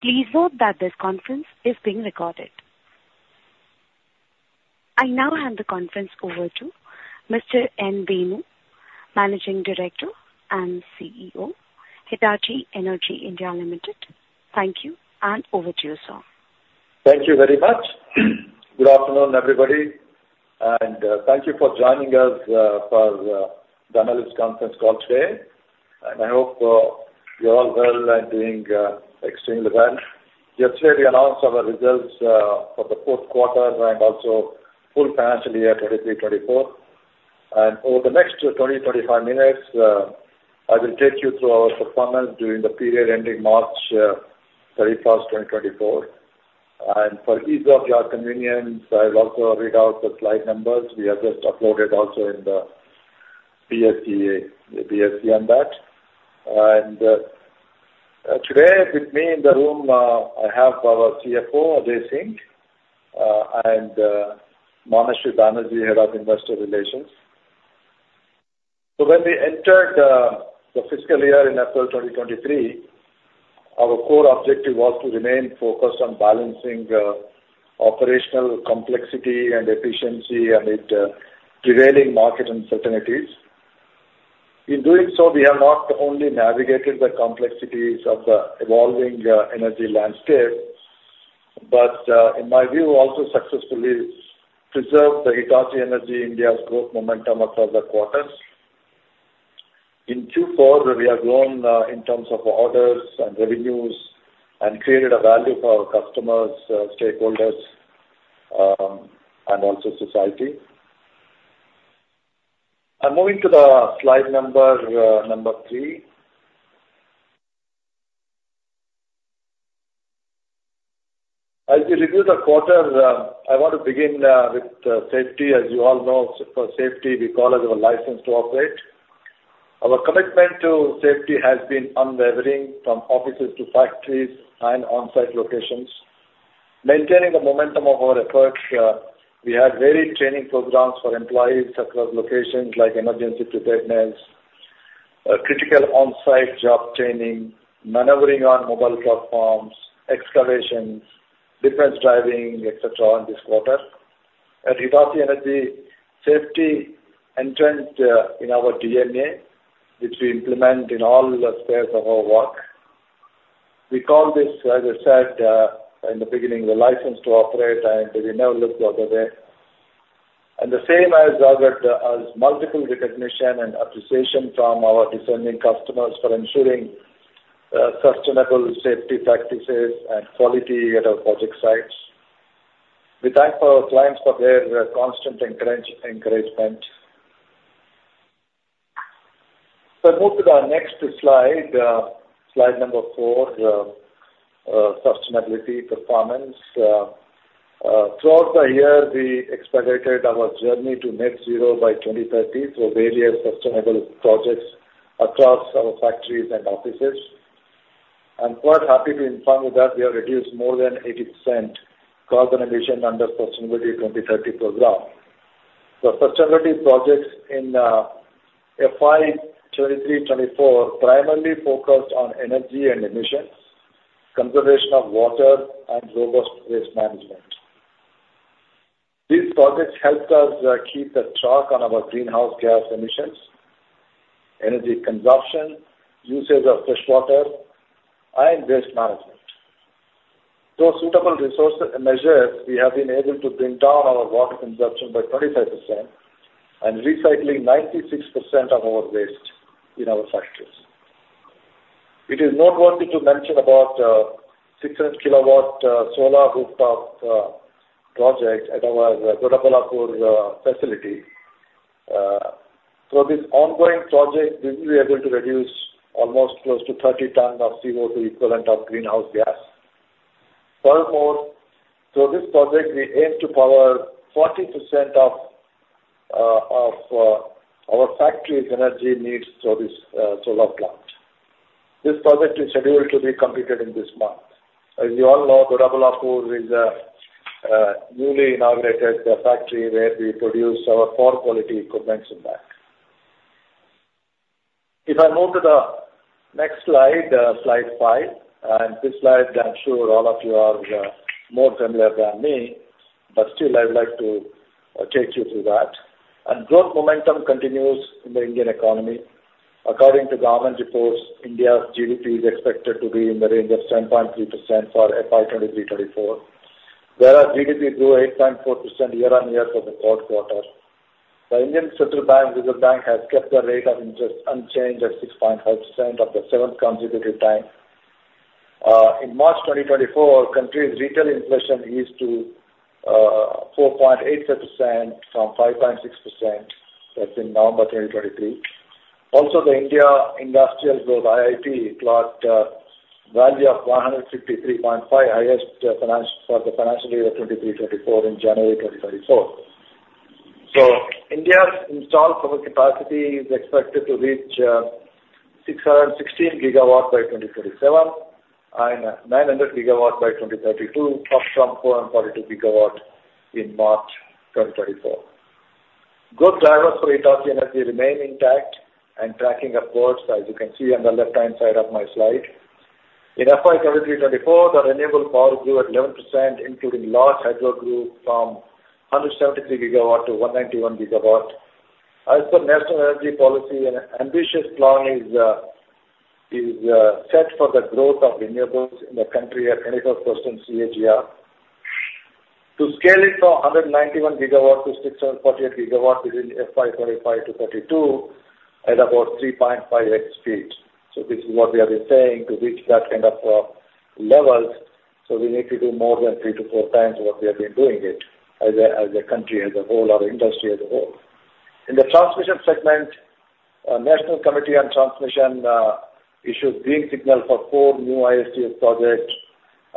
Please note that this conference is being recorded. I now hand the conference over to Mr. N. Venu, Managing Director and CEO, Hitachi Energy India Limited. Thank you, and over to you, sir. Thank you very much. Good afternoon, everybody, and thank you for joining us for the analyst conference call today. And I hope you're all well and doing extremely well. Yesterday, we announced our results for the fourth quarter and also full financial year, 2023-2024. And over the next 20-35 minutes, I will take you through our performance during the period ending March 31, 2024. And for ease of your convenience, I'll also read out the slide numbers we have just uploaded also in the BSE, BSE on that. And today, with me in the room, I have our CFO, Ajay Singh, and Manashwi Banerjee, Head of Investor Relations. So when we entered the fiscal year in April 2023, our core objective was to remain focused on balancing operational complexity and efficiency amid prevailing market uncertainties. In doing so, we have not only navigated the complexities of the evolving energy landscape, but in my view, also successfully preserved the Hitachi Energy India's growth momentum across the quarters. In Q4, we have grown in terms of orders and revenues and created a value for our customers, stakeholders, and also society. I'm moving to the slide number, number three. As we review the quarter, I want to begin with safety. As you all know, for safety, we call it our license to operate. Our commitment to safety has been unwavering from offices to factories and on-site locations. Maintaining the momentum of our approach, we had varied training programs for employees across locations like emergency preparedness, critical on-site job training, maneuvering on mobile platforms, excavations, defensive driving, et cetera, in this quarter. At Hitachi Energy, safety entrenched in our DNA, which we implement in all aspects of our work. We call this, as I said in the beginning, the license to operate, and we never look the other way. The same has garnered us multiple recognition and appreciation from our discerning customers for ensuring sustainable safety practices and quality at our project sites. We thank our clients for their constant encouragement. I move to the next slide, slide number 4, sustainability performance. Throughout the year, we expedited our journey to Net Zero by 2030 through various sustainable projects across our factories and offices. I'm quite happy to inform you that we have reduced more than 80% carbon emission under Sustainability 2030 program. The sustainability projects in FY 2023-2024 primarily focused on energy and emissions, conservation of water and robust waste management. These projects helped us keep a track on our greenhouse gas emissions, energy consumption, usage of fresh water, and waste management. Through suitable resource measures, we have been able to bring down our water consumption by 25% and recycling 96% of our waste in our factories. It is noteworthy to mention about 600 kW solar rooftop project at our Doddaballapur facility. So this ongoing project, we'll be able to reduce almost close to 30 tons of CO2 equivalent of greenhouse gas. Furthermore, through this project, we aim to power 40% of our factory's energy needs through this solar plant. This project is scheduled to be completed in this month. As you all know, Doddaballapur is a newly inaugurated factory where we produce our power quality equipments in that. If I move to the next slide, slide 5, and this slide, I'm sure all of you are more familiar than me, but still, I'd like to take you through that. Growth momentum continues in the Indian economy. According to government reports, India's GDP is expected to be in the range of 10.3% for FY 2023-24. Whereas GDP grew 8.4% year-on-year for the fourth quarter. The Reserve Bank of India has kept the rate of interest unchanged at 6.5% for the seventh consecutive time. In March 2024, the country's retail inflation eased to 4.8% from 5.6% as in November 2023. Also, the Indian Industrial Production, IIP, clocked a value of 153.5, highest since for the financial year 2023-24 in January 2024. So India's installed solar capacity is expected to reach 616 GW by 2027 and 900 GW by 2032, up from 442 GW in March 2024. Good drivers for Hitachi Energy remain intact and tracking upwards, as you can see on the left-hand side of my slide. In FY 2023-2024, the renewable power grew at 11%, including large hydro group from 173 GW to 191 GW. As per national energy policy, an ambitious plan is set for the growth of renewables in the country at 24% CAGR. To scale it from 191 GW to 648 GW within FY 2025-2032 at about 3.5x speed. So this is what we have been saying, to reach that kind of levels, so we need to do more than 3-4 times what we have been doing it as a, as a country, as a whole, or industry as a whole. In the transmission segment, National Committee on Transmission issued green signal for 4 new ISTS projects,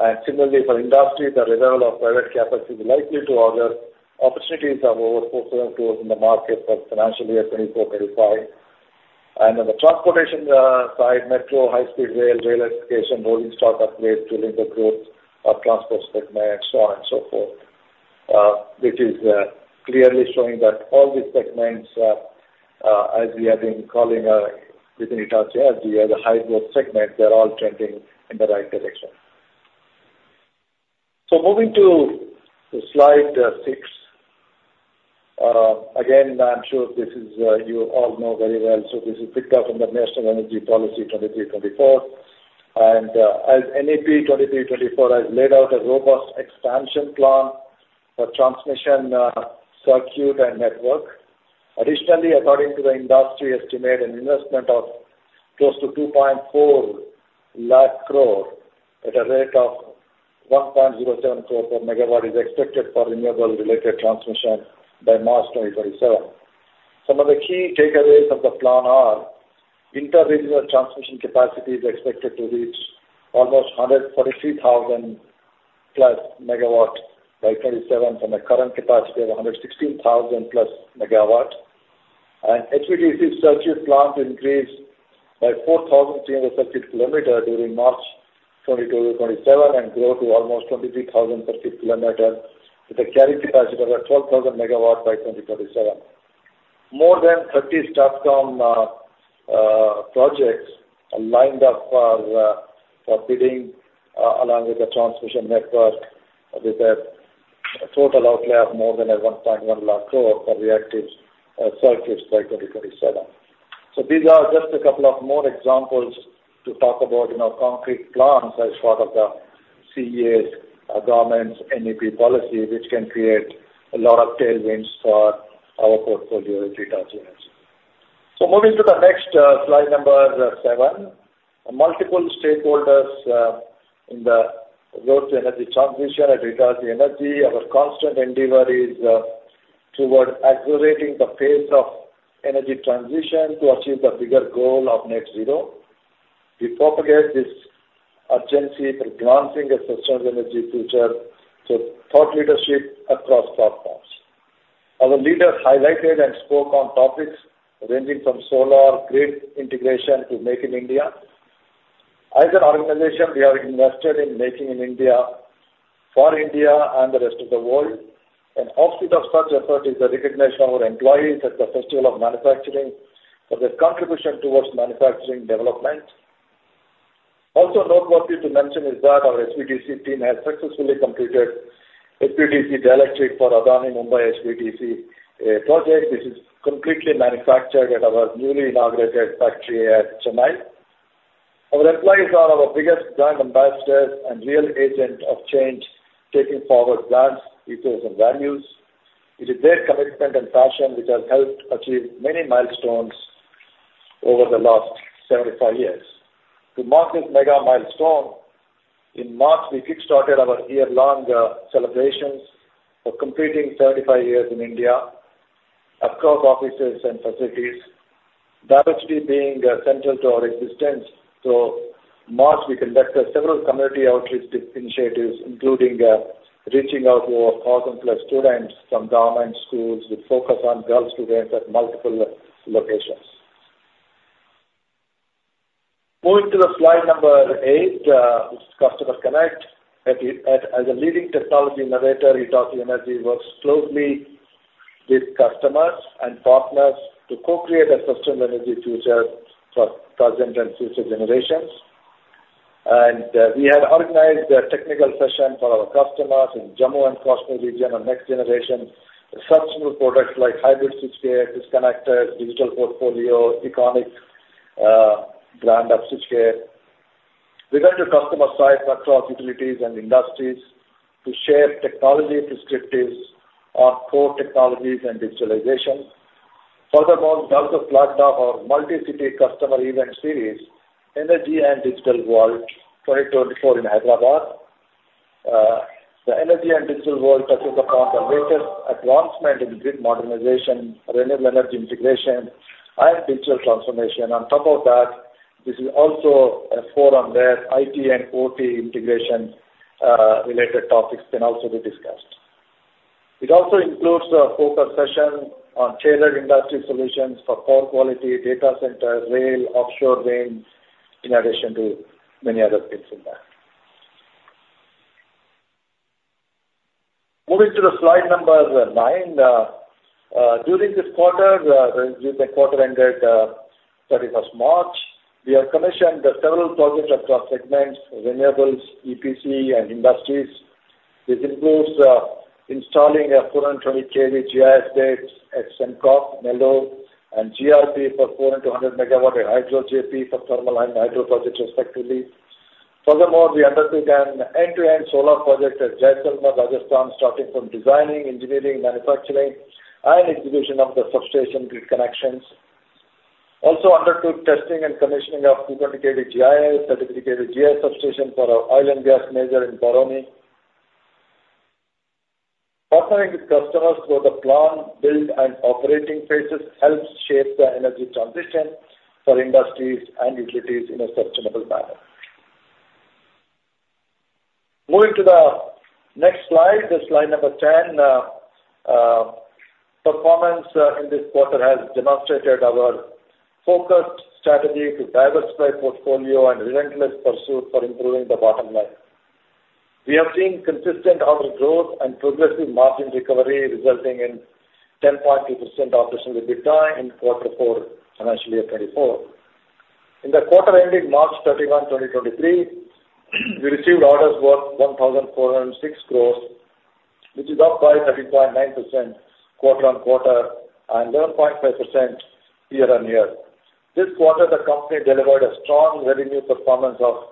and similarly for industry, the revival of private capital is likely to order. Opportunities are over 4-7 in the market for financial year 2024-25. On the transportation side, metro, high-speed rail, rail electrification, rolling stock upgrades to link the growth of transport segment and so on and so forth. Which is clearly showing that all these segments, as we have been calling, within Hitachi Energy, as high growth segments, they're all trending in the right direction. So moving to slide 6. Again, I'm sure this is, you all know very well, so this is picked up from the National Electricity Policy 2023-24. As NEP 2023-24 has laid out a robust expansion plan for transmission circuit and network. Additionally, according to the industry estimate, an investment of close to 240,000 crore at a rate of 1.07 crore per MW is expected for renewable related transmission by March 2027. Some of the key takeaways of the plan are: inter-regional transmission capacity is expected to reach almost 143,000+ MW by 2027, from a current capacity of 116,000+ MW. And HVDC circuit plan to increase by 4,300 circuit km during March 2022 to 2027, and grow to almost 23,000 circuit km, with a carrying capacity of around 12,000 MW by 2027. More than 30 STATCOM projects are lined up for bidding along with the transmission network, with a total outlay of more than 110,000 crore for reactive circuits by 2027. So these are just a couple of more examples to talk about, you know, concrete plans as part of the CEA's government's NEP policy, which can create a lot of tailwinds for our portfolio at Hitachi Energy. So moving to the next slide number 7. Multiple stakeholders in the road to energy transition at Hitachi Energy, our constant endeavor is toward accelerating the pace of energy transition to achieve the bigger goal of Net Zero. We propagate this urgency for granting a sustainable energy future through thought leadership across platforms. Our leaders highlighted and spoke on topics ranging from solar grid integration to Make in India. As an organization, we are invested in Making in India for India and the rest of the world. An offshoot of such effort is the recognition of our employees at the Festival of Manufacturing for their contribution towards manufacturing development. Also noteworthy to mention is that our HVDC team has successfully completed HVDC dielectric for Adani Mumbai HVDC project, which is completely manufactured at our newly inaugurated factory at Chennai. Our employees are our biggest brand ambassadors and real agent of change, taking forward plans, details, and values. It is their commitment and passion which has helped achieve many milestones over the last 75 years. To mark this mega milestone, in March, we kickstarted our year-long celebrations for completing 75 years in India across offices and facilities Diversity being central to our existence, so in March, we conducted several community outreach initiatives, including reaching out to over 1,000+ students from government schools, with focus on girls students at multiple locations. Moving to the slide number 8, which is Customer Connect. As a leading technology innovator, Hitachi Energy works closely with customers and partners to co-create a sustainable energy future for present and future generations. We have organized a technical session for our customers in Jammu and Kashmir region on next generation sustainable products like hybrid switchgear, disconnectors, digital portfolio, EconiQ. We went to customer sites across utilities and industries to share technology perspectives on core technologies and digitalization. Furthermore, we also flagged off our multi-city customer event series, Energy and Digital World, 2024 in Hyderabad. The energy and digital world touches upon the latest advancement in grid modernization, renewable energy integration, and digital transformation. On top of that, this is also a forum where IT and OT integration, related topics can also be discussed. It also includes a focus session on tailored industry solutions for power quality, data centers, rail, offshore winds, in addition to many other things in there. Moving to the slide number 9. During this quarter, during the quarter ended March 31, we have commissioned several projects across segments, renewables, EPC, and industries. This includes installing a 420 kV GIS bay at Sembcorp, Nellore, and GRP for 400 MW hydro JP for thermal and hydro projects respectively. Furthermore, we undertook an end-to-end solar project at Jaisalmer, Rajasthan, starting from designing, engineering, manufacturing, and execution of the substation grid connections. Also undertook testing and commissioning of 220 kV GIS, 132 kV GIS substation for our oil and gas major in Barmer. Partnering with customers through the plan, build, and operating phases helps shape the energy transition for industries and utilities in a sustainable manner. Moving to the next slide, the slide number 10. Performance in this quarter has demonstrated our focused strategy to diversify portfolio and relentless pursuit for improving the bottom line. We have seen consistent order growth and progressive margin recovery, resulting in 10.2% operational EBITDA in quarter four, FY24. In the quarter ending March 31, 2023, we received orders worth 1,406 crore, which is up by 13.9% quarter-on-quarter and 11.5% year-on-year. This quarter, the company delivered a strong revenue performance of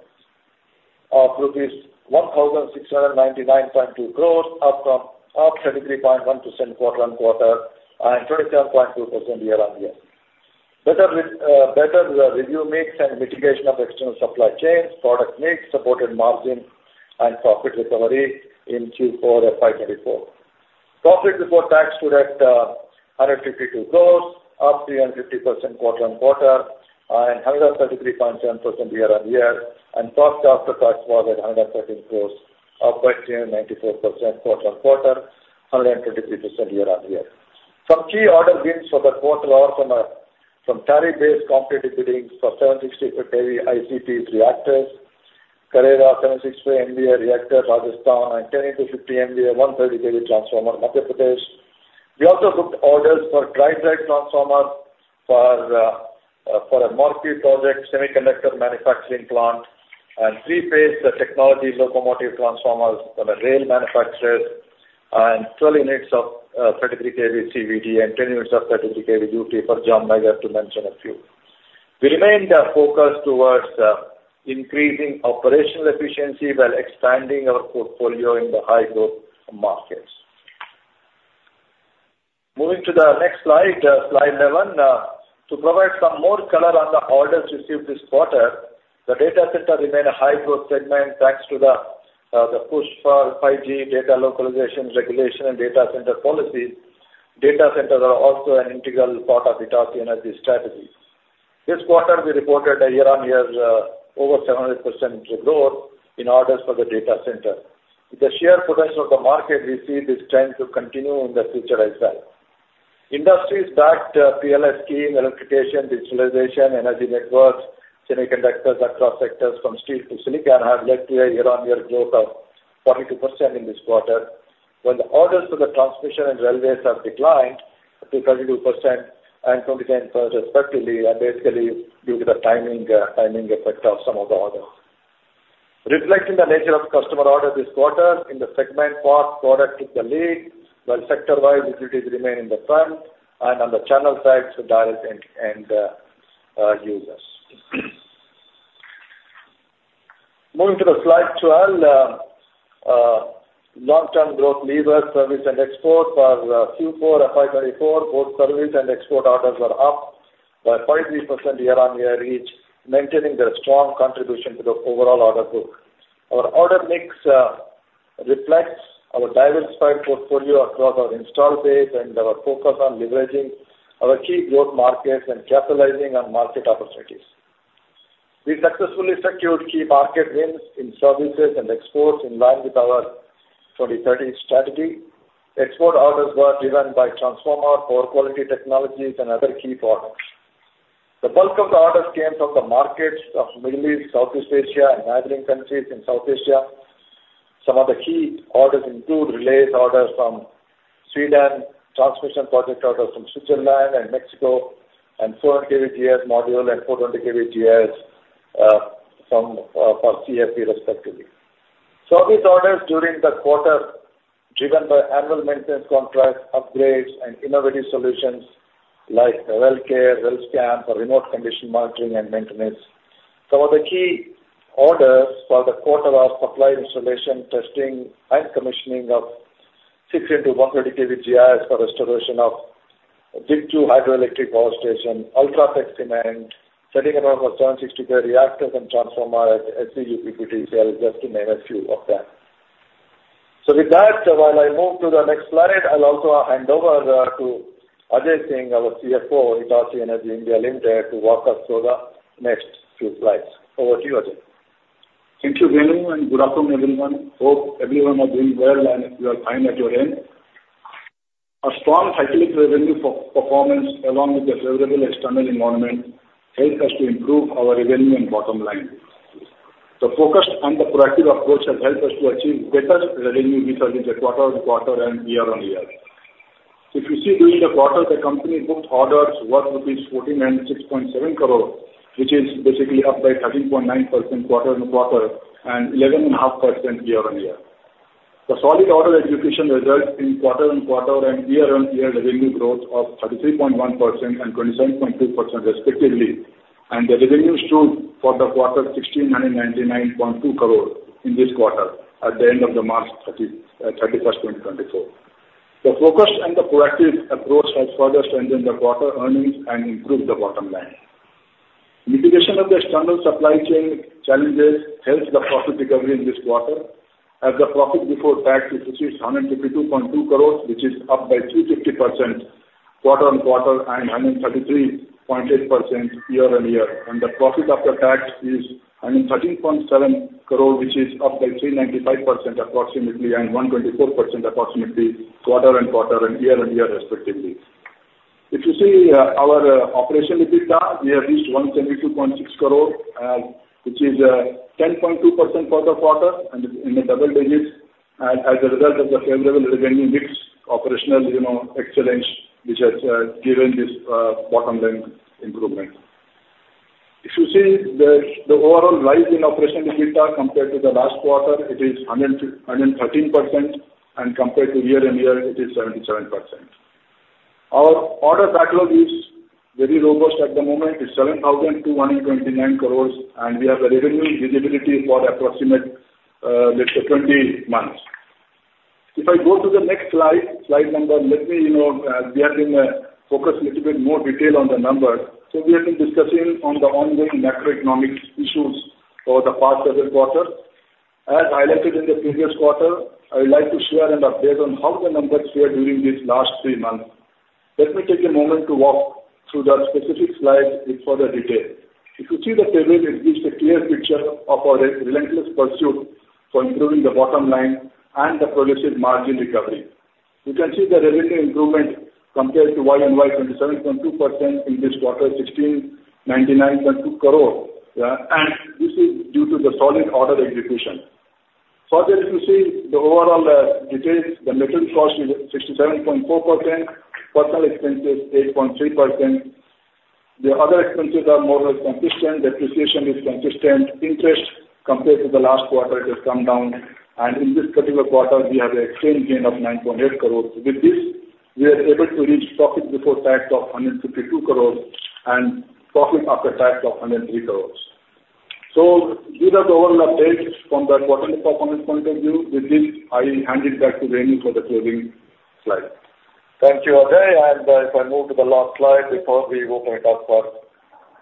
rupees 1,699.2 crore, up 33.1% quarter-on-quarter and 27.2% year-on-year. Better revenue mix and mitigation of external supply chains, product mix, supported margin and profit recovery in Q4 of FY 2024. Profit before tax stood at 152 crore, up 350% quarter-on-quarter and 133.7% year-on-year, and profit after tax was at 113 crore, up by 394% quarter-on-quarter, 123% year-on-year. Some key order wins for the quarter are from tariff-based competitive bidding for 765 kV ICP reactors, Karera 765 MVA reactors, Rajasthan, and 10x50 MVA, 132 kV transformer, Madhya Pradesh. We also booked orders for dry-type transformers for a Morbi project, semiconductor manufacturing plant, and three-phase technology locomotive transformers for the rail manufacturers, and 12 units of 33 kV CVT and 10 units of 33 kV CT for Jamnagar, to mention a few. We remained focused towards increasing operational efficiency while expanding our portfolio in the high growth markets. Moving to the next slide, slide 11. To provide some more color on the orders received this quarter, the data center remained a high growth segment, thanks to the push for 5G data localization, regulation, and data center policies. Data centers are also an integral part of Hitachi Energy's strategy. This quarter, we reported a year-on-year over 700% growth in orders for the data center. With the sheer potential of the market, we see this trend to continue in the future as well. Industries backed PLI scheme, electrification, digitalization, energy networks, semiconductors across sectors from street to silicon, have led to a year-on-year growth of 42% in this quarter. When the orders for the transmission and railways have declined to 32% and 20% respectively, and basically due to the timing, timing effect of some of the orders. Reflecting the nature of customer order this quarter, in the segment part, product took the lead, while sector-wise, utilities remain in the front, and on the channel side, so direct end-end users. Moving to the slide 12. Long-term growth levers, service and export for Q4 FY 2024, both service and export orders were up by 53% year-on-year, each maintaining their strong contribution to the overall order book. Our order mix reflects our diversified portfolio across our install base and our focus on leveraging our key growth markets and capitalizing on market opportunities. We successfully secured key market wins in services and exports in line with our 2030 strategy. Export orders were driven by transformer, power quality technologies, and other key products. The bulk of the orders came from the markets of Middle East, Southeast Asia, and neighboring countries in South Asia. Some of the key orders include relays orders from Sweden, transmission project orders from Switzerland and Mexico, and 400 kV GIS module and 400 kV GIS for CFE respectively. Service orders during the quarter, driven by annual maintenance contracts, upgrades, and innovative solutions like RelCare, RelScan, for remote condition monitoring and maintenance. Some of the key orders for the quarter are supply, installation, testing, and commissioning of 6 100 kV GIS for restoration of Dikchu hydroelectric power station, UltraTech Cement, setting around for 765 kV reactors and transformers at SEUPPTCL, just to name a few of them. So with that, while I move to the next slide, I'll also hand over to Ajay Singh, our CFO, Hitachi Energy India Limited, to walk us through the next few slides. Over to you, Ajay. Thank you, Venu, and good afternoon, everyone. Hope everyone is doing well, and if you are fine at your end. Our strong cyclic revenue per- performance, along with the favorable external environment, helped us to improve our revenue and bottom line. The focus and the proactive approach has helped us to achieve better revenue results in the quarter-on-quarter and year-on-year. If you see during the quarter, the company booked orders worth rupees 1,496.7 crore, which is basically up by 13.9% quarter-on-quarter and 11.5% year-on-year. The solid order execution results in quarter-on-quarter and year-on-year revenue growth of 33.1% and 27.2% respectively, and the revenue stood for the quarter 1,699.2 crore in this quarter at the end of March 31, 2024. The focus and the proactive approach has further strengthened the quarter earnings and improved the bottom line. Mitigation of the external supply chain challenges helped the profit recovery in this quarter, as the profit before tax is 152.2 crore, which is up by 350% quarter-on-quarter and 133.8% year-on-year. The profit after tax is 113.7 crore, which is up by 395% approximately and 124% approximately, quarter-on-quarter and year-on-year respectively. If you see, our operational EBITDA, we have reached 122.6 crore, which is 10.2% for the quarter and in the double digits. As a result of the favorable revenue mix, operational, you know, excellence, which has given this bottom-line improvement. If you see the overall rise in operational EBITDA compared to the last quarter, it is 113%, and compared to year-over-year, it is 77%. Our order backlog is very robust at the moment. It's 7,229 crores, and we have a revenue visibility for approximate, let's say 20 months. If I go to the next slide, slide number... Let me, you know, we have been focused little bit more detail on the numbers. So we have been discussing on the ongoing macroeconomic issues for the past several quarters. As highlighted in the previous quarter, I would like to share an update on how the numbers fared during these last three months. Let me take a moment to walk through that specific slide in further detail. If you see the table, it gives a clear picture of our relentless pursuit for improving the bottom line and the prolific margin recovery. You can see the revenue improvement compared to year-over-year, 27.2% in this quarter, 1,699.2 crore, and this is due to the solid order execution. Further, if you see the overall details, the material cost is 67.4%, personnel expenses, 8.3%. The other expenses are more or less consistent. Depreciation is consistent. Interest compared to the last quarter, it has come down, and in this particular quarter, we have an exchange gain of 9.8 crore. With this, we are able to reach profit before tax of 152 crore and profit after tax of 103 crore. So these are the overall updates from the quarter performance point of view. With this, I hand it back to Renu for the closing slide. Thank you, Ajay. If I move to the last slide before we open it up for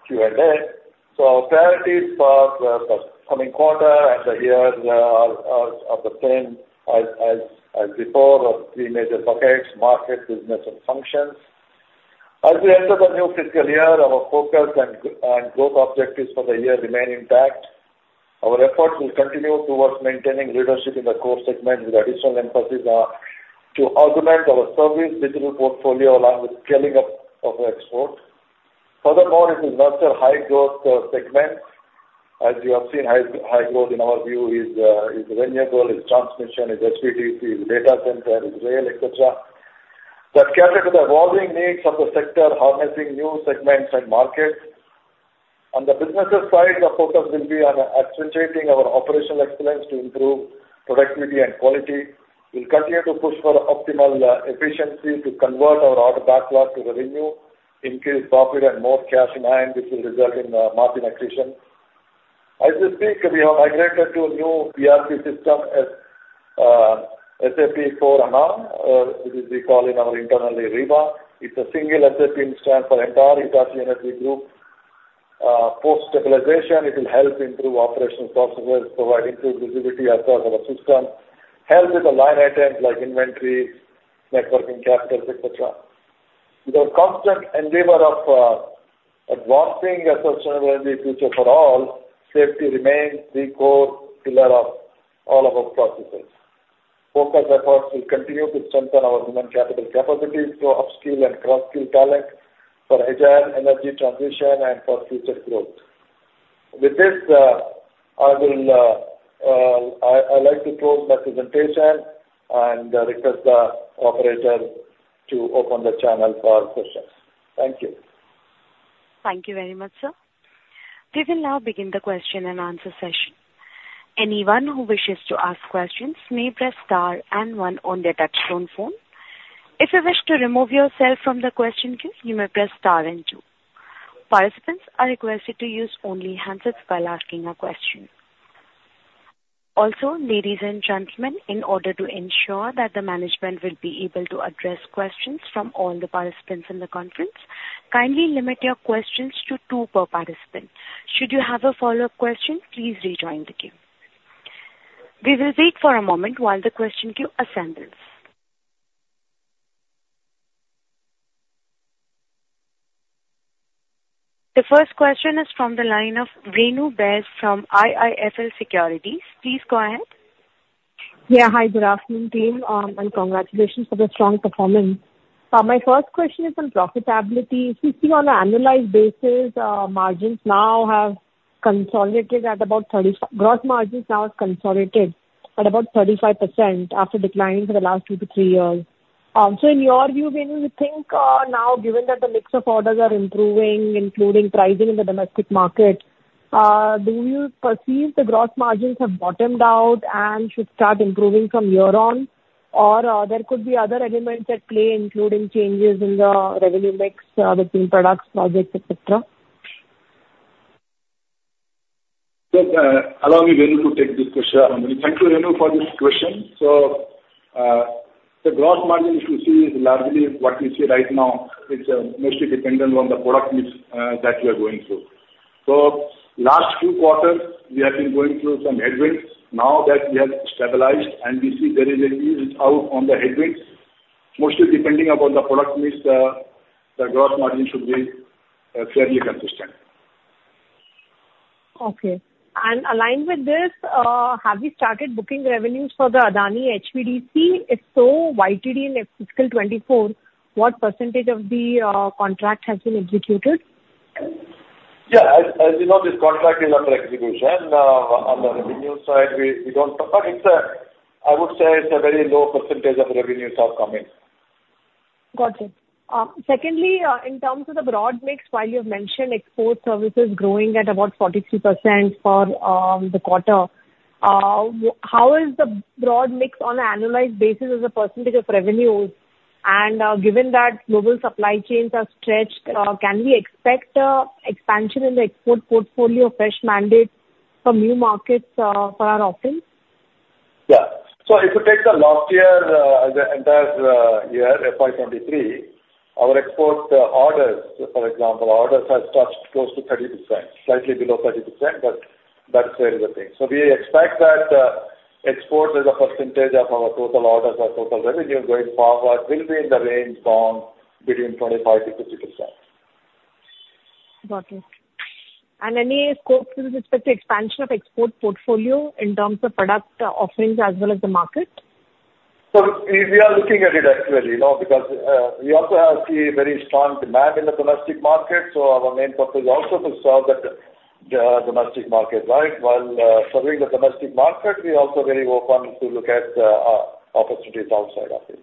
Q&A. So our priorities for the coming quarter and the year are the same as before, the three major buckets: market, business, and functions. As we enter the new fiscal year, our focus and growth objectives for the year remain intact. Our efforts will continue towards maintaining leadership in the core segment, with additional emphasis to augment our service digital portfolio along with scaling up of the export. Furthermore, it is not a high growth segment. As you have seen, high growth in our view is renewable, is transmission, is HVDC, is data center, is rail, et cetera, that cater to the evolving needs of the sector, harnessing new segments and markets. On the businesses side, the focus will be on accentuating our operational excellence to improve productivity and quality. We'll continue to push for optimal efficiency to convert our order backlog to revenue, increase profit and more cash in hand, which will result in margin accretion. As we speak, we have migrated to a new ERP system, SAP S/4HANA, which we call internally Reiwa. It's a single SAP instance for entire Hitachi Energy Group. Post stabilization, it will help improve operational processes, provide improved visibility across our system, help with the line items like inventory, working capital, et cetera. With our constant endeavor of advancing a sustainable energy future for all, safety remains the core pillar of all of our processes. Focused efforts will continue to strengthen our human capital capabilities to upskill and cross-skill talent for agile energy transition and for future growth. With this, I'd like to close the presentation and request the operator to open the channel for questions. Thank you. Thank you very much, sir. We will now begin the question-and-answer session. Anyone who wishes to ask questions may press star and one on their touchtone phone. If you wish to remove yourself from the question queue, you may press star and two. Participants are requested to use only handsets while asking a question. Also, ladies and gentlemen, in order to ensure that the management will be able to address questions from all the participants in the conference, kindly limit your questions to two per participant. Should you have a follow-up question, please rejoin the queue. We will wait for a moment while the question queue assembles. The first question is from the line of Renu Baid from IIFL Securities. Please go ahead. Yeah. Hi, good afternoon, team, and congratulations for the strong performance. So my first question is on profitability. If you see on an annualized basis, gross margins now has consolidated at about 35% after declining for the last two to three years. So in your view, when you think, now, given that the mix of orders are improving, including pricing in the domestic market, do you perceive the gross margins have bottomed out and should start improving from here on? Or, there could be other elements at play, including changes in the revenue mix, between products, projects, et cetera? Yes, allow me, Venu, to take this question. Thank you, Renu, for this question. So, the gross margin, if you see, is largely what you see right now. It's mostly dependent on the product mix that we are going through. So last few quarters, we have been going through some headwinds. Now that we have stabilized, and we see there is an ease out on the headwinds, mostly depending upon the product mix, the gross margin should be fairly consistent. Okay. And aligned with this, have you started booking revenues for the Adani HVDC? If so, YTD in fiscal 2024, what percentage of the contract has been executed? Yeah. As, as you know, this contract is under execution. On the revenue side, we, we don't. But it's a, I would say, it's a very low percentage of revenues are coming. Got it. Secondly, in terms of the broad mix, while you have mentioned export services growing at about 43% for the quarter, how is the broad mix on an annualized basis as a percentage of revenues? And, given that global supply chains are stretched, can we expect expansion in the export portfolio fresh mandate from new markets for our offerings? Yeah. So if you take the last year, the entire year, FY 2023, our export orders, for example, orders has touched close to 30%, slightly below 30%, but that is where is the thing. So we expect that, exports as a percentage of our total orders or total revenue going forward will be in the range from between 25%-50%. Got it. And any scope with respect to expansion of export portfolio in terms of product offerings as well as the market? So we are looking at it actually, you know, because we also have seen very strong demand in the domestic market, so our main purpose is also to serve the domestic market, right? While serving the domestic market, we are also very open to look at opportunities outside of it.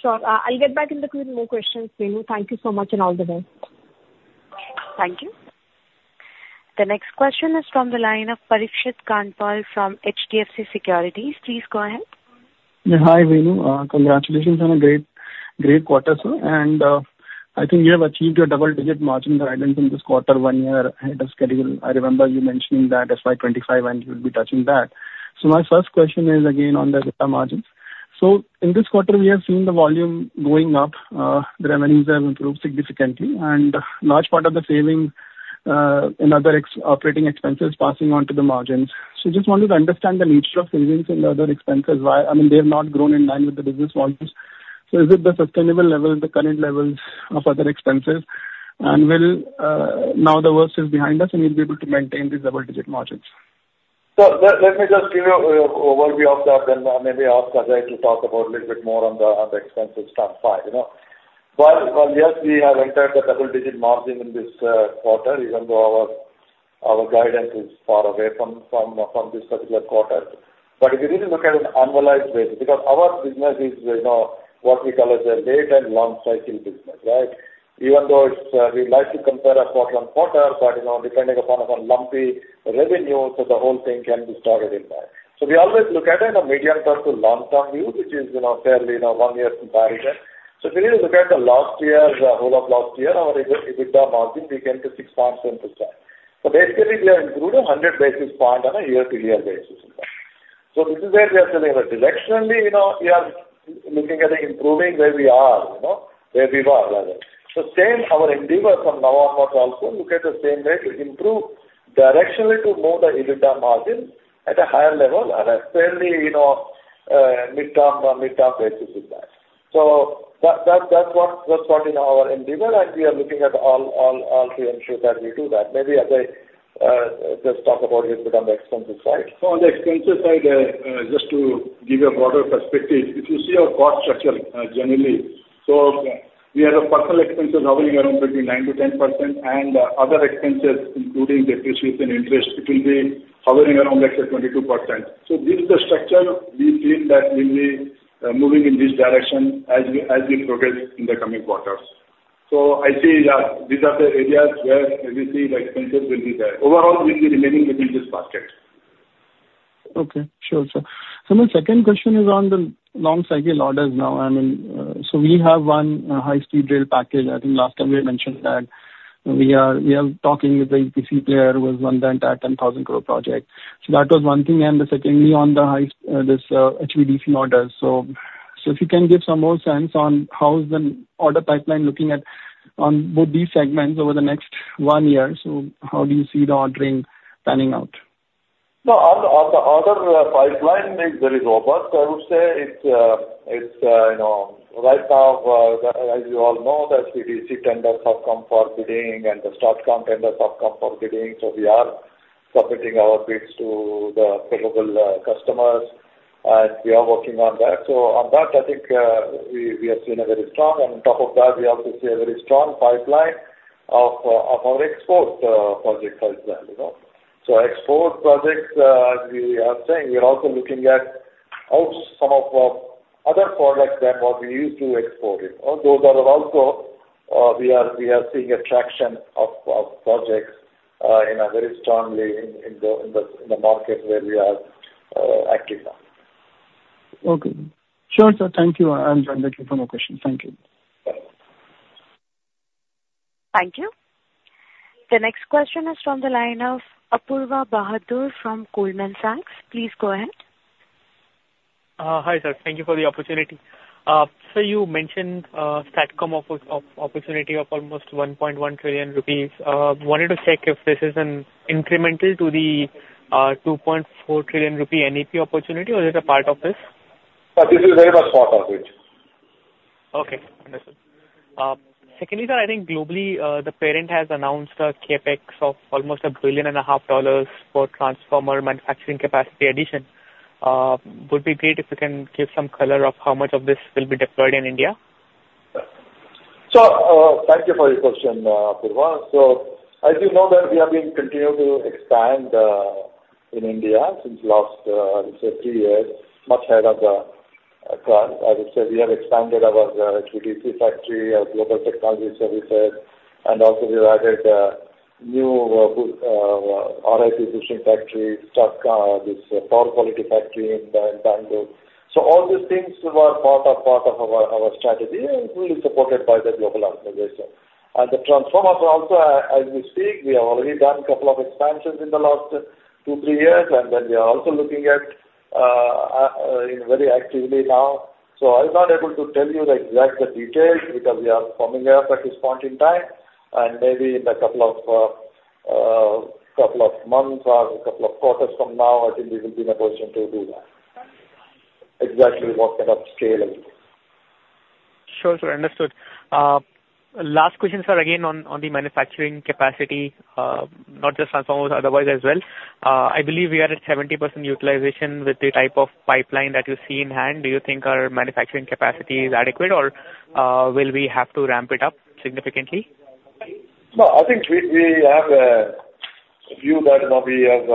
Sure. I'll get back in the queue with more questions for you. Thank you so much, and all the best. Thank you. The next question is from the line of Parikshit Kandpal from HDFC Securities. Please go ahead. Yeah. Hi, Venu. Congratulations on a great, great quarter, sir. And I think you have achieved your double-digit margin guidance in this quarter, one year ahead of schedule. I remember you mentioning that FY 2025, and you will be touching that. So my first question is again on the EBITDA margins. So in this quarter, we have seen the volume going up, the revenues have improved significantly, and a large part of the saving in other operating expenses passing on to the margins. So just wanted to understand the nature of savings in the other expenses. Why, I mean, they have not grown in line with the business volumes. So is it the sustainable level, the current levels of other expenses? And now the worst is behind us, and we'll be able to maintain these double-digit margins? So let me just give you an overview of that, then maybe ask Ajay to talk about a little bit more on the expenses side, you know? Well, yes, we have entered the double-digit margin in this quarter, even though our guidance is far away from this particular quarter. But if you really look at it on annualized basis, because our business is, you know, what we call as a late and long cycling business, right? Even though it is, we like to compare a quarter-over-quarter, but, you know, depending upon our lumpy revenue, so the whole thing can be distorted by. So we always look at it in a medium-term to long-term view, which is, you know, fairly, you know, one-year comparison. So if you look at the last year, the whole of last year, our EBITDA margin, we came to 6.7%. So basically, we have improved 100 basis points on a year-to-year basis. So this is where we are today. Directionally, you know, we are looking at improving where we are, you know, where we are rather. So same, our endeavor from now onwards also look at the same way to improve directionally to move the EBITDA margin at a higher level and a fairly, you know, midterm basis with that. So that, that's what in our endeavor, and we are looking at all three ensures that we do that. Maybe Ajay, just talk about EBITDA on the expenses side. So on the expenses side, just to give you a broader perspective, if you see our cost structure, generally, so we have personnel expenses hovering around between 9%-10%, and other expenses, including depreciation and interest, it will be hovering around, like, say, 22%. So this is the structure we feel that we'll be moving in this direction as we progress in the coming quarters. So I say, yeah, these are the areas where we see the expenses will be there. Overall, we'll be remaining within this basket. Okay. Sure, sir. So my second question is on the long-cycle orders now. I mean, so we have one high-speed rail package. I think last time we had mentioned that we are, we are talking with the EPC player who has won the entire 10,000 crore project. So that was one thing, and secondly, on the high, this, HVDC orders. So, so if you can give some more sense on how is the order pipeline looking at on both these segments over the next one year. So how do you see the ordering panning out?... No, on the, on the other, pipeline is very robust. I would say it's, it's, you know, right now, as you all know, the CEA tenders have come for bidding, and the STATCOM tenders have come for bidding. So we are submitting our bids to the suitable, customers, and we are working on that. So on that, I think, we, we are seeing a very strong. On top of that, we also see a very strong pipeline of, of our export, project pipeline, you know. So export projects, as we are saying, we are also looking at out some of, other products than what we used to export, you know? Those are also. We are seeing a traction of projects very strongly in the market where we are active now. Okay. Sure, sir. Thank you. I'm done with no more questions. Thank you. Thank you. The next question is from the line of Apoorva Bahadur from Goldman Sachs. Please go ahead. Hi, sir. Thank you for the opportunity. You mentioned STATCOM opportunity of almost 1.1 trillion rupees. Wanted to check if this is an incremental to the 2.4 trillion rupee NEP opportunity, or is it a part of this? This is very much part of it. Okay, understood. Secondly, sir, I think globally, the parent has announced a CapEx of almost $1.5 billion for transformer manufacturing capacity addition. Would be great if you can give some color of how much of this will be deployed in India. So, thank you for your question, Apoorva. So as you know that we have been continuing to expand in India since last, say, three years, much ahead of the capex. As I said, we have expanded our HVDC factory, our global technology services, and also we've added a new power quality factory in Bangalore. So all these things were part of, part of our, our strategy and fully supported by the global organization. And the transformers also, as we speak, we have already done couple of expansions in the last two, three years, and then we are also looking at it very actively now. So I'm not able to tell you the exact details, because we are forming them at this point in time, and maybe in a couple of couple of months or a couple of quarters from now, I think we will be in a position to do that. Exactly what kind of scale it is. Sure, sir. Understood. Last question, sir, again, on, on the manufacturing capacity, not just transformers, otherwise as well. I believe we are at 70% utilization with the type of pipeline that you see in hand. Do you think our manufacturing capacity is adequate, or will we have to ramp it up significantly? No, I think we have a view that, you know, we have,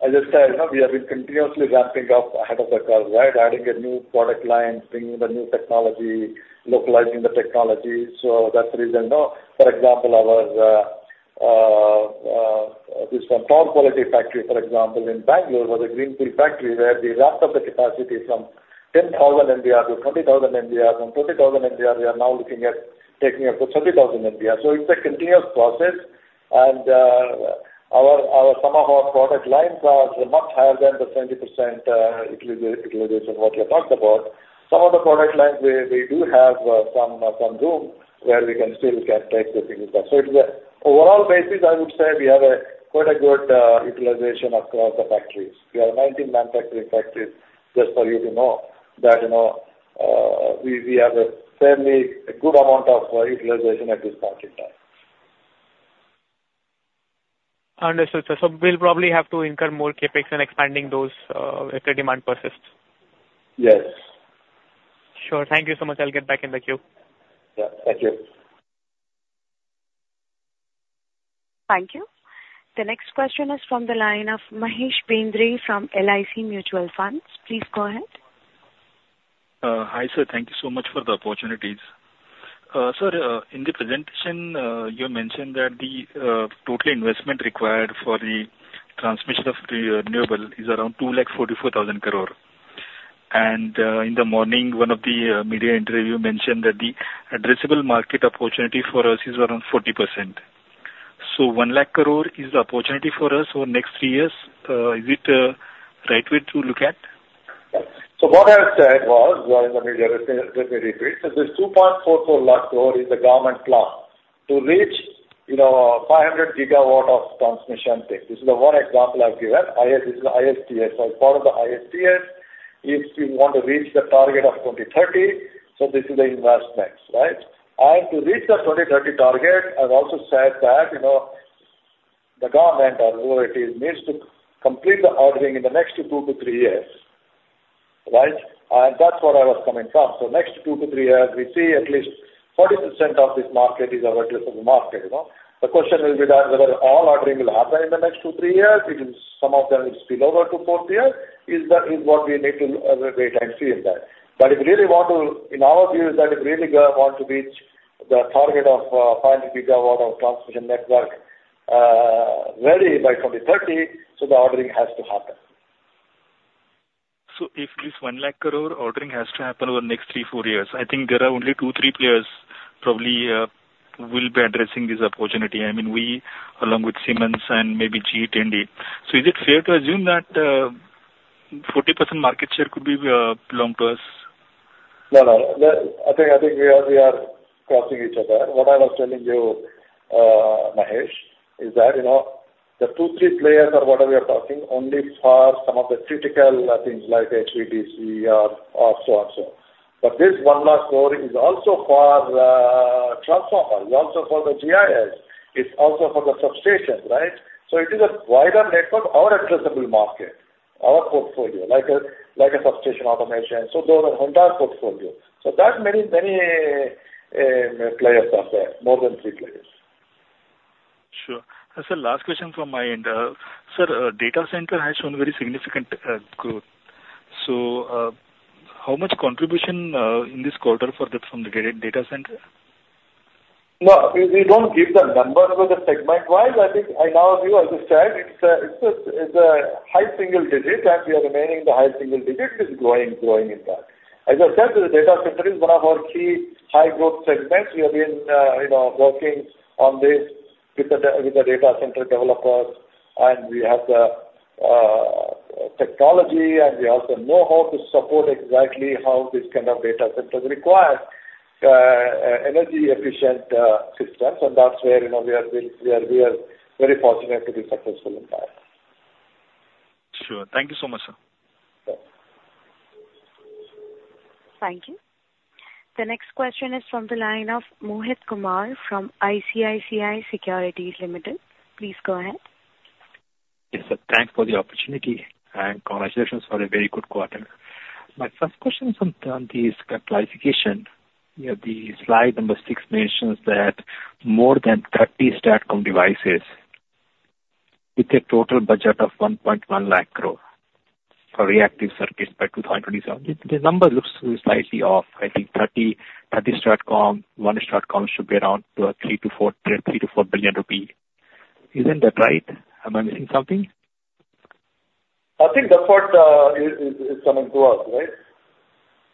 as I said, you know, we have been continuously ramping up ahead of the curve, right? Adding a new product line, bringing the new technology, localizing the technology. So that's the reason, you know. For example, our this one power quality factory, for example, in Bangalore, was a greenfield factory where we ramped up the capacity from 10,000 MVA to 20,000 MVA. From 20,000 MVA, we are now looking at taking up to 30,000 MVA. So it's a continuous process, and our some of our product lines are much higher than the 20%, utilization what you talked about. Some of the product lines, we do have some room where we can still can take the things up. It's an overall basis, I would say we have quite a good utilization across the factories. We have 19 manufacturing factories, just for you to know, that you know we have a fairly good amount of utilization at this point in time. Understood, sir. We'll probably have to incur more CapEx in expanding those, if the demand persists? Yes. Sure. Thank you so much. I'll get back in the queue. Yeah, thank you. Thank you. The next question is from the line of Mahesh Bendre from LIC Mutual Fund. Please go ahead. Hi, sir. Thank you so much for the opportunities. Sir, in the presentation, you mentioned that the total investment required for the transmission of the renewable is around 244,000 crore. In the morning, one of the media interview mentioned that the addressable market opportunity for us is around 40%. So 100,000 crore is the opportunity for us over the next three years. Is it right way to look at? So what I said was, well, in the media, let me, let me repeat. So this 244,000 crore is the government plan to reach, you know, 500 GW of transmission thing. This is the one example I've given, this is the ISTS. So as part of the ISTS, if you want to reach the target of 2030, so this is the investments, right? And to reach the 2030 target, I've also said that, you know, the government or whoever it is, needs to complete the ordering in the next 2-3 years, right? And that's where I was coming from. So next 2-3 years, we see at least 40% of this market is addressable market, you know. The question will be that whether all ordering will happen in the next 2-3 years, it is some of them will spill over to fourth year. That is what we need to wait and see in that. But if you really want to in our view, is that if you really want to reach the target of 500 GW of transmission network ready by 2030, so the ordering has to happen. So if this 100,000 crore ordering has to happen over the next 3-4 years, I think there are only 2-3 players probably will be addressing this opportunity. I mean, we, along with Siemens and maybe GE T&D India. So is it fair to assume that 40% market share could be belong to us? No, no, the, I think, I think we are, we are crossing each other. What I was telling you, Mahesh, is that, you know, the two, three players or whatever you're talking, only for some of the critical, things like HVDC, or so and so. But this one last score is also for, transformer, also for the GIS, it's also for the substations, right? So it is a wider network, our addressable market, our portfolio, like a, like a substation automation, so the entire portfolio. So that many, many, players are there, more than three players. Sure. And sir, last question from my end. Sir, data center has shown very significant growth. So, how much contribution in this quarter for the, from the data center? No, we don't give the numbers for the segment-wise. I think, now, as you said, it's a high single digit, and we are remaining in the high single digit, it's growing in that. As I said, the data center is one of our key high growth segments. We have been, you know, working on this with the data center developers, and we have the technology, and we also know how to support exactly how this kind of data centers require energy efficient systems. And that's where, you know, we are very fortunate to be successful in that. Sure. Thank you so much, sir. Thank you. The next question is from the line of Mohit Kumar from ICICI Securities Limited. Please go ahead. Yes, sir. Thanks for the opportunity, and congratulations for a very good quarter. My first question is on the classification. You know, the slide number 6 mentions that more than 30 STATCOM devices with a total budget of 110,000 crore for reactive circuits by 2027. The number looks slightly off. I think 30, 30 STATCOM, one STATCOM should be around three to four billion rupee. Isn't that right? Am I missing something? I think that part is coming to us, right?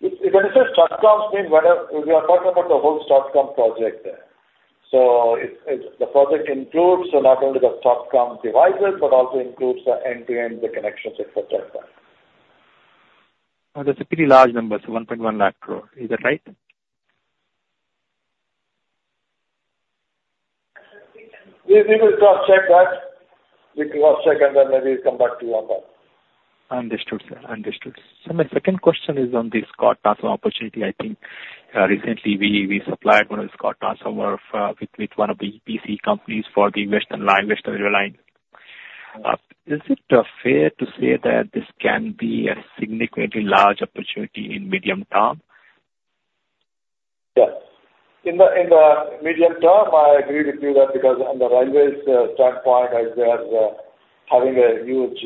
If when you say STATCOM, mean whether we are talking about the whole STATCOM project. So it, the project includes so not only the STATCOM devices, but also includes the end-to-end, the connections, et cetera. That's a pretty large number, so 110,000 crore. Is that right? We will cross-check that. We cross-check and then maybe come back to you on that. Understood, sir. Understood. My second question is on the Scott transformer opportunity. I think, recently we, we supplied one of the Scott transformer, with, with one of the EPC companies for the western line, western rail line. Is it fair to say that this can be a significantly large opportunity in medium term? Yes. In the medium term, I agree with you that because on the railways standpoint, as they are having a huge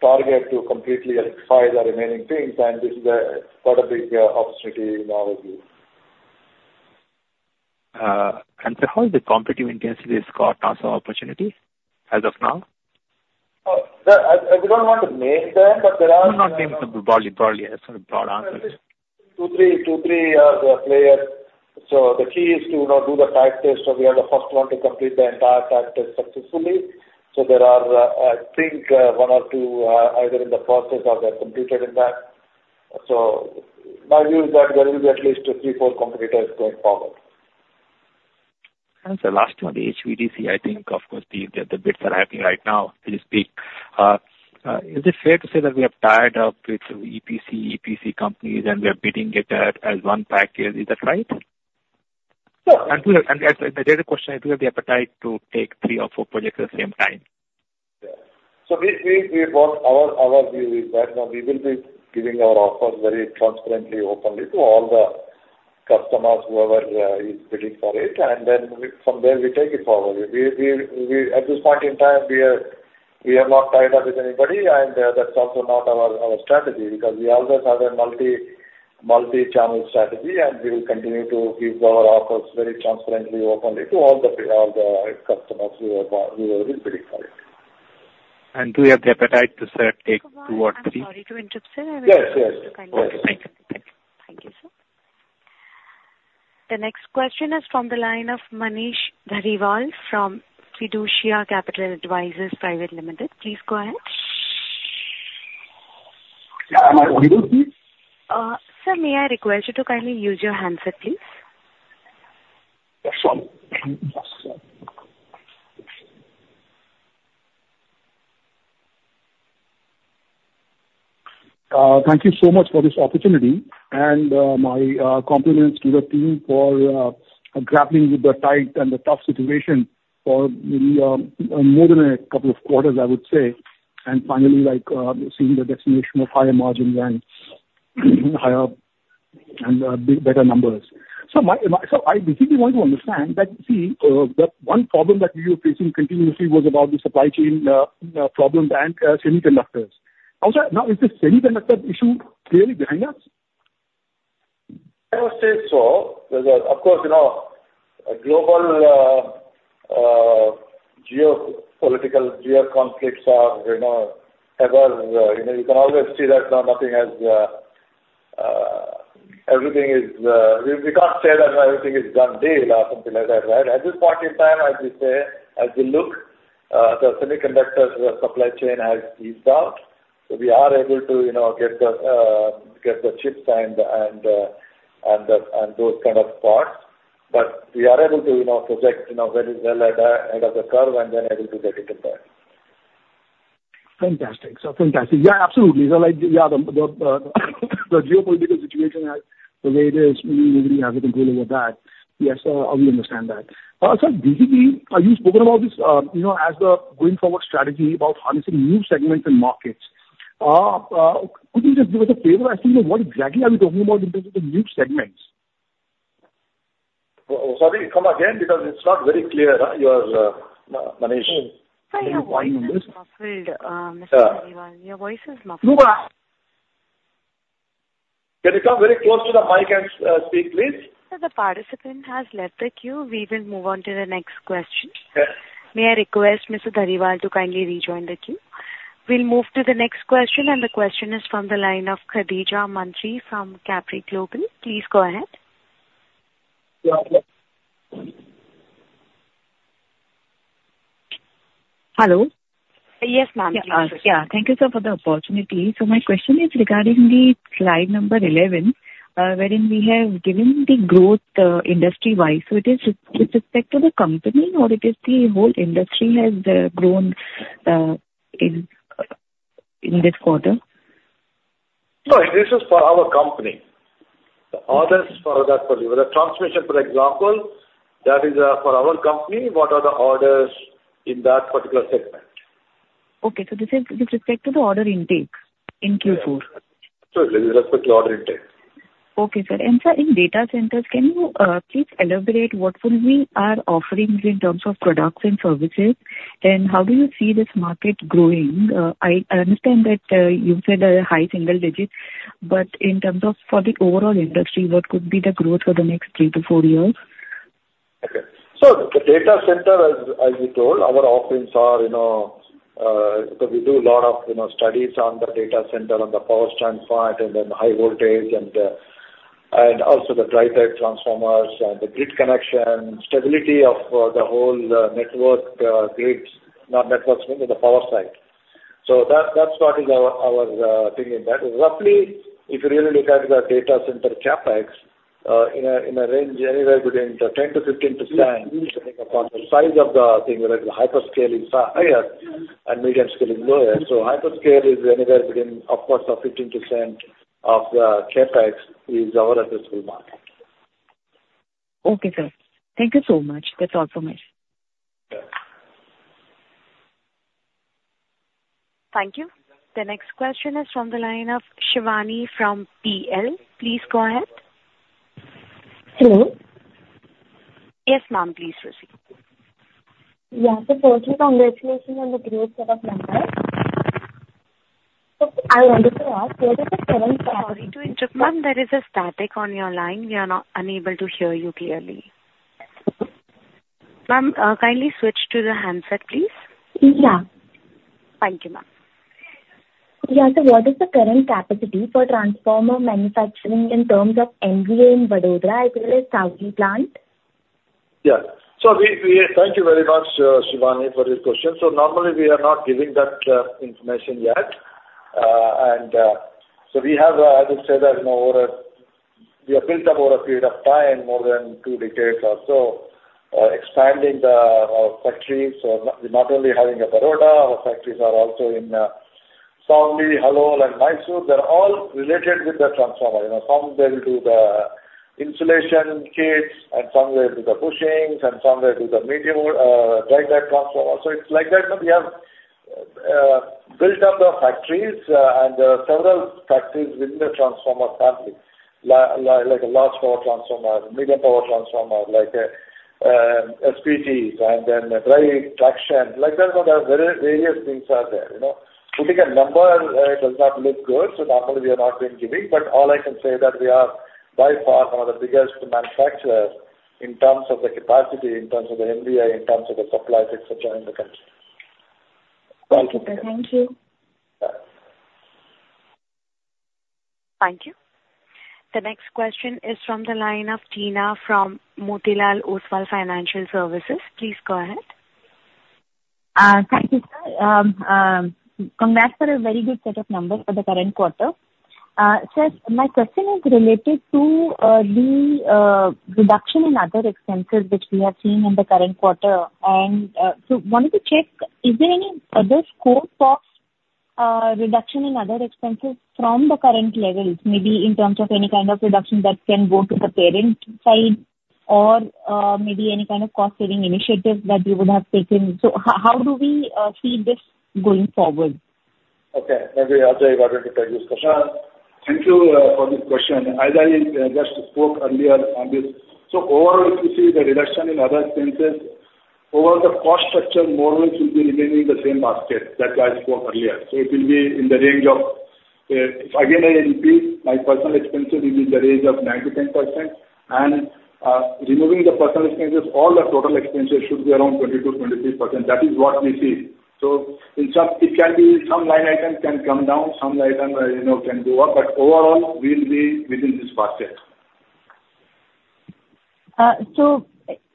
target to completely electrify the remaining things, and this is quite a big opportunity in our view. How is the competitive intensity of Scott transformer opportunity as of now? I don't want to name them, but there are- No, not names, but broadly, broadly, a sort of broad answer. 2, 3, 2, 3 players. So the key is to not do the type test. So we are the first one to complete the entire type test successfully. So there are, I think, 1 or 2, either in the process or they're completed in that. So my view is that there will be at least 3, 4 competitors going forward. And the last one, the HVDC, I think of course the bids are happening right now, so to speak. Is it fair to say that we have tied up with EPC, EPC companies and we are bidding it out as one package? Is that right? Yeah. The third question, do you have the appetite to take three or four projects at the same time? Yeah. So our view is that, you know, we will be giving our offers very transparently, openly to all the customers, whoever is bidding for it, and then from there, we take it forward. At this point in time, we are not tied up with anybody, and that's also not our strategy, because we always have a multi-channel strategy, and we will continue to give our offers very transparently, openly to all the customers who are bidding for it. Do you have the appetite to sort of take 2 or 3? Mohit Kumar, I'm sorry to interrupt, sir. Yes, yes. Thank you. Thank you. Thank you, sir. The next question is from the line of Manish Dhariwal from Fiducia Capital Advisors Private Limited. Please go ahead. Manish Dhariwal, please. Sir, may I request you to kindly use your handset, please? Yes, sure. Yes, sure. Thank you so much for this opportunity, and my compliments to the team for grappling with the tight and the tough situation for maybe more than a couple of quarters, I would say, and finally, like, seeing the destination of higher margins and higher and big, better numbers. So I basically want to understand that, see, the one problem that you were facing continuously was about the supply chain problems and semiconductors. Also, now is this semiconductor issue really behind us? I would say so. Because, of course, you know, global geopolitical conflicts are, you know, ever, you know, you can always see that nothing has, everything is... We, we can't say that everything is done deal or something like that, right? At this point in time, as we say, the semiconductor supply chain has eased out, so we are able to, you know, get the, get the chips and the, and, and the, and those kind of parts. But we are able to, you know, project, you know, very well at the end of the curve, and we're able to get it in there. Fantastic. So fantastic. Yeah, absolutely. So, like, yeah, the geopolitical situation as the way it is, we really have no control over that. Yes, I do understand that. Sir, DCP, you've spoken about this, you know, as the going forward strategy about harnessing new segments and markets. Could you just do us a favor and say what exactly are we talking about in terms of the new segments? Sorry, come again, because it's not very clear. You are Manish. Sir, your voice is muffled, Mr. Dhariwal. Yeah. Your voice is muffled. Can you come very close to the mic and speak, please? Sir, the participant has left the queue. We will move on to the next question. Yeah. May I request Mr. Dhariwal to kindly rejoin the queue? We'll move to the next question, and the question is from the line of Khadija Mantri from Capri Global. Please go ahead. Yeah. Hello? Yes, ma'am. Yeah. Thank you, sir, for the opportunity. So my question is regarding the slide number 11, wherein we have given the growth, industry-wise. So it is with respect to the company, or it is the whole industry has grown in this quarter? No, this is for our company. The orders for that, for the transmission, for example, that is, for our company, what are the orders in that particular segment? Okay. This is with respect to the order intake in Q4. It is with respect to order intake. Okay, sir. And sir, in data centers, can you please elaborate what would be our offerings in terms of products and services, and how do you see this market growing? I understand that you said a high single digit, but in terms of for the overall industry, what could be the growth for the next three to four years? Okay. So the data center, as you told, our offerings are, you know, so we do a lot of, you know, studies on the data center, on the power transmission, and then high voltage and, and also the dry-type transformers and the grid connection, stability of, the whole, network, grids, not networks, I mean the power side. So that, that's what is our, our, thing in that. Roughly, if you really look at the data center CapEx, in a range anywhere between 10%-15%, depending upon the size of the thing, whether the hyperscale is higher and medium scale is lower. So hyperscale is anywhere between, of course, the 15% of the CapEx is our addressable market. Okay, sir. Thank you so much. That's all from me. Yeah. Thank you. The next question is from the line of Shivani from B&K. Please go ahead. Hello. Yes, ma'am, please proceed. Yeah. So firstly, congratulations on the great set of numbers. So I wanted to ask, what is the current- Sorry to interrupt, ma'am, there is a static on your line. We are unable to hear you clearly. Ma'am, kindly switch to the handset, please. Yeah. Thank you, ma'am. Yeah. So what is the current capacity for transformer manufacturing in terms of MVA in Vadodara, as well as Savli plant? Yeah. So we... Thank you very much, Shivani, for this question. So normally, we are not giving that information yet. And so we have, I would say that, you know, over a, we have built up over a period of time, more than two decades or so, expanding our factories. So not only having a Vadodara, our factories are also in Savli, Halol and Mysore. They're all related with the transformer. You know, some they'll do the insulation kits and some they'll do the bushings and some they do the medium dry-type transformer. So it's like that, you know, we have built up the factories and several factories within the transformer family, like large power transformer, medium power transformer, like SVTs and then dry traction. Like that, you know, there are various, various things are there, you know. Putting a number, does not look good, so normally we are not been giving. But all I can say that we are by far one of the biggest manufacturers in terms of the capacity, in terms of the MVA, in terms of the supply, et cetera, in the country. Okay. Thank you. Yeah. Thank you. The next question is from the line of Teena from Motilal Oswal Financial Services. Please go ahead. Thank you, sir. Congrats for a very good set of numbers for the current quarter. Sir, my question is related to the reduction in other expenses which we have seen in the current quarter. And so wanted to check, is there any other scope for reduction in other expenses from the current levels? Maybe in terms of any kind of reduction that can go to the parent side or maybe any kind of cost saving initiatives that you would have taken. So how do we see this going forward? Okay. Maybe Ajay, why don't you take this question? Thank you for this question. As I just spoke earlier on this, so overall, if you see the reduction in other expenses, overall the cost structure more or less will be remaining the same basket that I spoke earlier. So it will be in the range of, again, I repeat, personnel expenses will be in the range of 9%-10%. And, removing the personnel expenses, all the total expenses should be around 20%-23%. That is what we see. So in some, it can be some line items can come down, some line item, you know, can go up, but overall, we will be within this basket.... So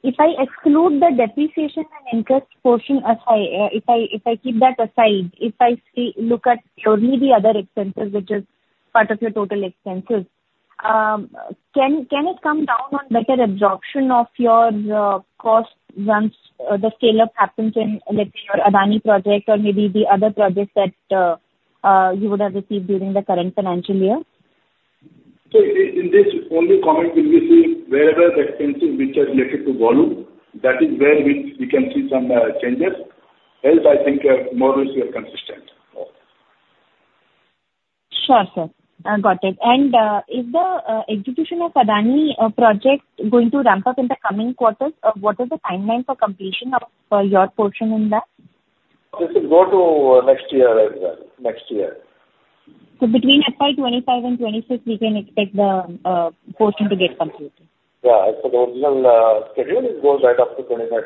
if I exclude the depreciation and interest portion aside, if I keep that aside, if I see, look at only the other expenses, which is part of your total expenses, can it come down on better absorption of your costs once the scale-up happens in, let's say, your Adani project or maybe the other projects that you would have received during the current financial year? So, in this only comment will be the wherever the expenses which are related to volume, that is where we, we can see some changes. Else, I think, more or less we are consistent. Sure, sir. I got it. Is the execution of Adani project going to ramp up in the coming quarters? What is the timeline for completion of your portion in that? This will go to next year as well, next year. So between FY 25 and 26, we can expect the portion to get completed. Yeah, as per the original schedule, it goes right up to 2025,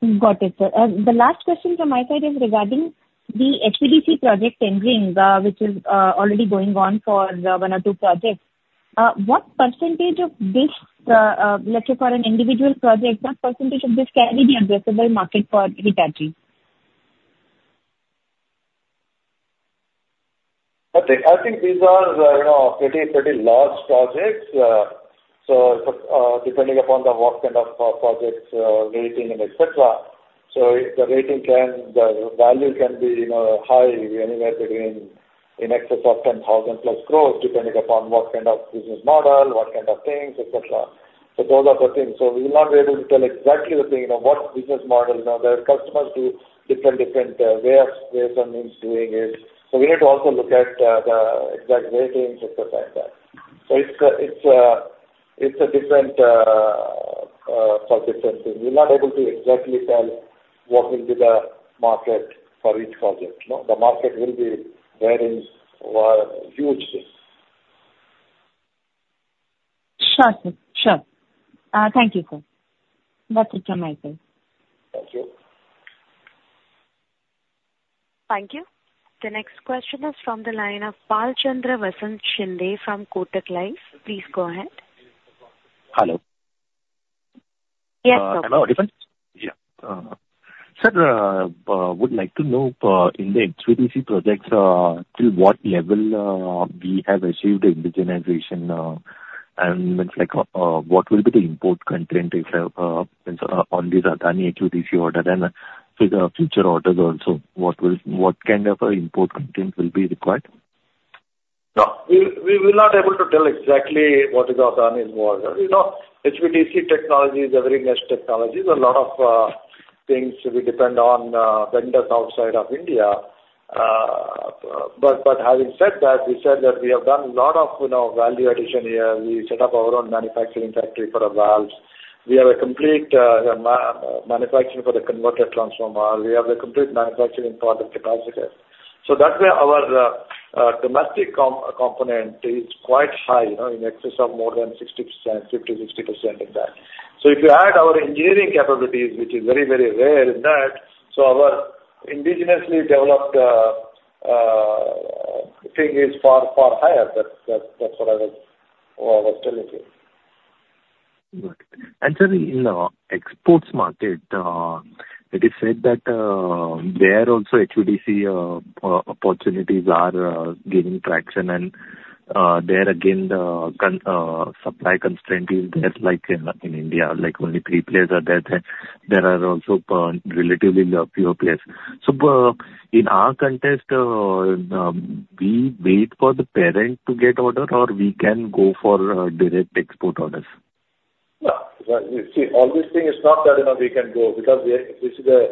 2026. Got it, sir. The last question from my side is regarding the HVDC project tendering, which is already going on for one or two projects. What percentage of this, let's say, for an individual project, what percentage of this can be the addressable market for Hitachi? I think these are, you know, pretty, pretty large projects. So, depending upon what kind of projects, rating and et cetera. So if the rating can, the value can be, you know, high, anywhere between in excess of 10,000+ crore, depending upon what kind of business model, what kind of things, et cetera. So those are the things. So we will not be able to tell exactly the thing, you know, what business model. You know, there are customers do different, different, ways, ways and means doing it. So we need to also look at the exact ratings, et cetera, like that. So it's, it's, it's a different, for different things. We're not able to exactly tell what will be the market for each project, no? The market will be varying or hugely. Sure, sir. Sure. Thank you, sir. That's it from my side. Thank you. Thank you. The next question is from the line of Bhalchandra Shinde from Kotak Life. Please go ahead. Hello? Yes, sir. Am I audible? Yeah. Sir, would like to know in the HVDC projects till what level we have achieved indigenization and like what will be the import content if on this Adani HVDC order and for the future orders also, what kind of import content will be required? No, we will not be able to tell exactly what is our earning involved. You know, HVDC technology is a very niche technology. There's a lot of things we depend on, vendors outside of India. But having said that, we said that we have done a lot of, you know, value addition here. We set up our own manufacturing factory for the valves. We have a complete manufacturing for the converter transformer. We have a complete manufacturing for the capacitor. So that's where our domestic component is quite high, you know, in excess of more than 60%, 50%-60% of that. So if you add our engineering capabilities, which is very, very rare in that, so our indigenously developed thing is far, far higher. That's what I was telling you. Good. And sir, in exports market, it is said that there also HVDC opportunities are gaining traction, and there again, the supply constraint is just like in India, like only three players are there. There are also relatively fewer players. So, in our context, we wait for the parent to get order, or we can go for direct export orders? Yeah, well, you see, all this thing is not that, you know, we can go because this is a,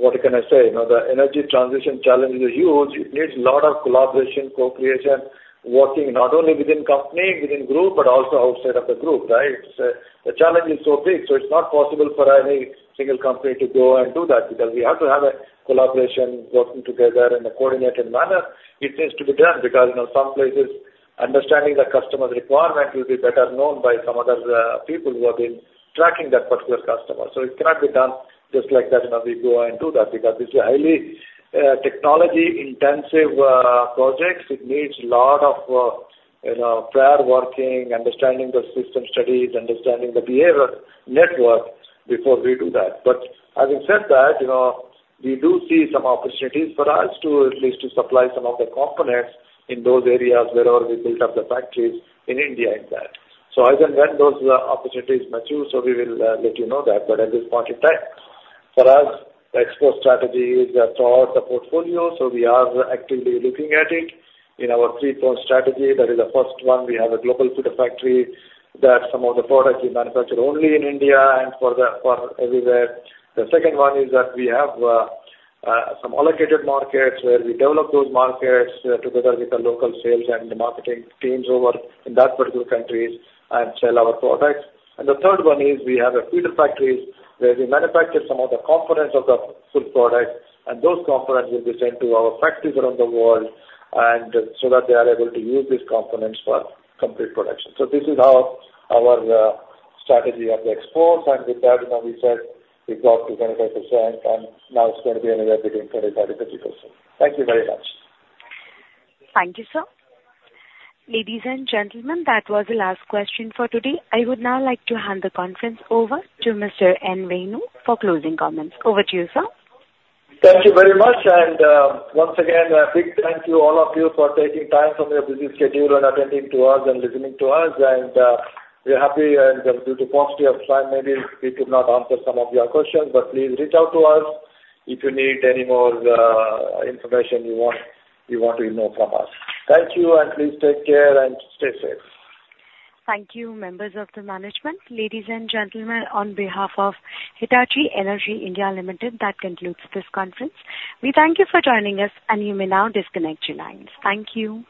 what can I say? You know, the energy transition challenge is huge. It needs a lot of collaboration, co-creation, working not only within company, within group, but also outside of the group, right? The challenge is so big, so it's not possible for any single company to go and do that, because we have to have a collaboration working together in a coordinated manner. It needs to be done because, you know, some places understanding the customer's requirement will be better known by some other people who have been tracking that particular customer. So it cannot be done just like that, you know, we go and do that because it's a highly technology-intensive projects. It needs lot of, you know, prior working, understanding the system studies, understanding the behavior network before we do that. But having said that, you know, we do see some opportunities for us to at least to supply some of the components in those areas wherever we build up the factories in India in that. So as and when those opportunities mature, so we will let you know that, but at this point in time, for us, the export strategy is throughout the portfolio, so we are actively looking at it. In our three-pronged strategy, that is the first one, we have a global feeder factory, that some of the products we manufacture only in India and for the, for everywhere. The second one is that we have some allocated markets, where we develop those markets together with the local sales and the marketing teams over in that particular countries and sell our products. And the third one is we have a feeder factories, where we manufacture some of the components of the full products, and those components will be sent to our factories around the world, and so that they are able to use these components for complete production. So this is how our strategy of the exports, and with that, you know, we said we got to 25%, and now it's going to be anywhere between 25-50%. Thank you very much. Thank you, sir. Ladies and gentlemen, that was the last question for today. I would now like to hand the conference over to Mr. N. Venu for closing comments. Over to you, sir. Thank you very much, and once again, a big thank you, all of you, for taking time from your busy schedule and attending to us and listening to us. And we're happy and due to paucity of time, maybe we could not answer some of your questions, but please reach out to us if you need any more information you want, you want to know from us. Thank you, and please take care and stay safe. Thank you, members of the management. Ladies and gentlemen, on behalf of Hitachi Energy India Limited, that concludes this conference. We thank you for joining us, and you may now disconnect your lines. Thank you.